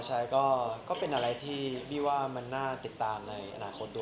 ใช่ก็เป็นอะไรที่บี้ว่ามันน่าติดตามในอนาคตด้วย